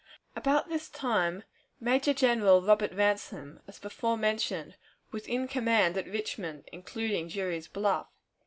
At this time Major General Robert Ransom, as before mentioned, was in command at Richmond, including Drury's Bluff.